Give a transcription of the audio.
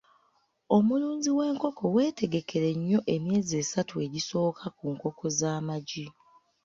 Omulunzi w'enkoko wetegekere nnyo emyezi esatu egisooka ku nkoko z'amagi.